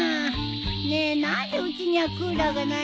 ねえ何でうちにはクーラーがないの？